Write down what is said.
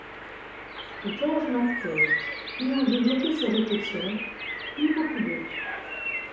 George Mackey, puis ont développé ces réflexions, puis beaucoup d'autres.